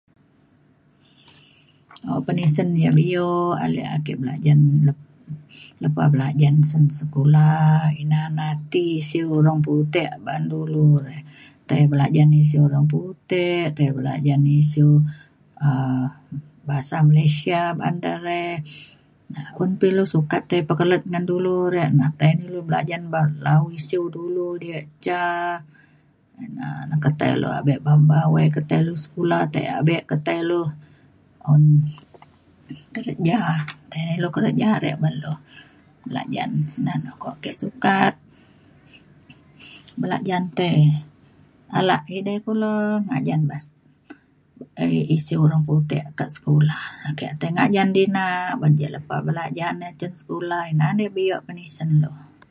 uban isen yak bio ale ake belajen le- lepa belajan cen sekula ina na ti isiu urang putek ba’an dulu re. tai belajen isiu urang putek tai belajen isiu um bahasa Malaysia ba’an de re. na un pa ilu sukat tai pekelet ngan dulu re na tai na ilu belajen da- lau isiu dulu diak ca ina na ke tai le abe bamba ke tai le abe sekula tai abe ke tai lu un kerja. tai na ilu kerja re ban ilu belajen ina na ukok ke sukat belajen tei alak edei kulo ngajan ba- isiu urang putek kak sekula ake tai ngajan di na ban ke lepa belajen na cen sekula ina na bio penisen ilu